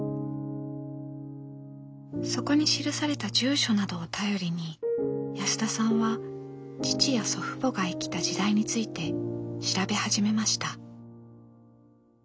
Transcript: そこに記された住所などを頼りに安田さんは父や祖父母が生きた時代について調べ始めました。